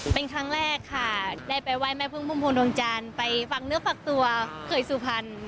เป็นครั้งแรกค่ะได้ไปไหว้แม่พึ่งพุ่มพวงดวงจันทร์ไปฝากเนื้อฝากตัวเขยสุพรรณ